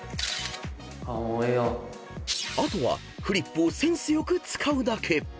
［あとはフリップをセンス良く使うだけ］